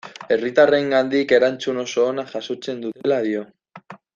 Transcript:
Herritarrengandik erantzun oso ona jasotzen dutela dio.